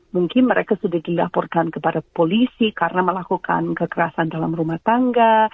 mungkin mereka sudah dilaporkan kepada polisi karena melakukan kekerasan dalam rumah tangga